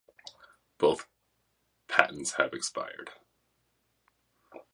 Both patents have expired.